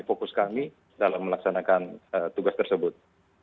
fokus kami dalam melaksanakan tugas tersebut